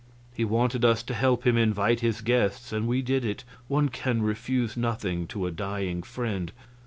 He wanted us to help him invite his guests, and we did it one can refuse nothing to a dying friend.